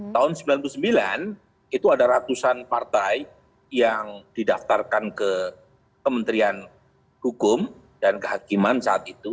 tahun seribu sembilan ratus sembilan puluh sembilan itu ada ratusan partai yang didaftarkan ke kementerian hukum dan kehakiman saat itu